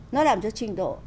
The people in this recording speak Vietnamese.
nó làm cho trình độ